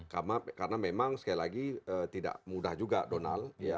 karena memang sekali lagi tidak mudah juga donald